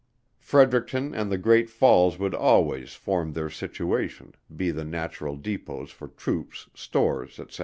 Fredericton and the Great Falls would always, from their situation, be the natural depots for troops, stores, &c.